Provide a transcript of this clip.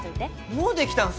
もうできたんすか！？